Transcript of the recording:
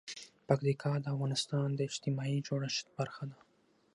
پکتیکا د افغانستان د اجتماعي جوړښت برخه ده.